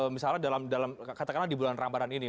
misalnya dalam katakanlah di bulan ramadhan ini